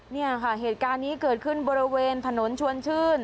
เนี่ยค่ะเหตุการณ์นี้เกิดขึ้นบริเวณถนนชวนชื่น